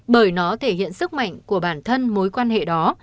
bởi nó thể hiện sức mạnh của bản thân mối quan hệ đó